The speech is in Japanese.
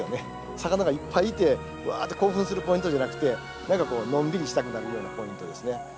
魚がいっぱいいてわって興奮するポイントじゃなくて何かこうのんびりしたくなるようなポイントですね。